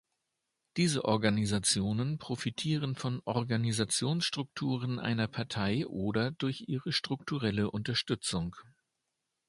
Diese Organisationen profitieren von Organisationsstrukturen einer Partei oder durch ihre strukturelle Unterstützung.